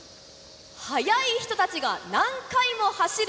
速い人たちが何回も走る！